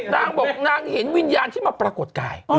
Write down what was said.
นางบอกนางเห็นวิญญาณที่มาปรากฏกาย